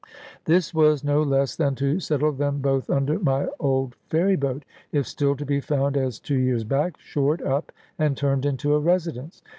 This was no less than to settle them both under my old ferry boat, if still to be found as two years back, shored up and turned into a residence.